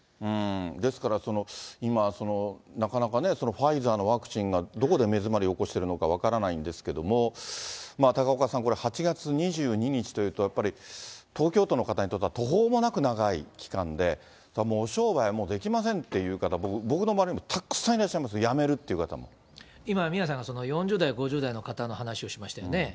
ですから今、なかなかファイザーのワクチンがどこで目詰まりを起こしてるのか分からないんですけれども、高岡さん、これ、８月２２日というと、やっぱり東京都の方にとっては途方もなく長い期間で、お商売できませんという方、僕の周りにもたくさんいらっしゃいます、今、宮根さんが４０代、５０代の方を話をしましたよね。